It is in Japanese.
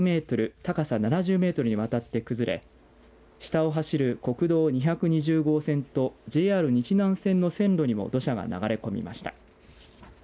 高さ７０メートルにわたって崩れ下を走る国道２２０号線とＪＲ日南線の線路にも土砂が流れ込みました。